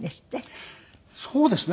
そうですね。